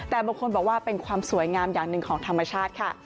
แต่บางคนบอกว่าเป็นความสวยงามอย่างหนึ่งของธรรมชาติค่ะ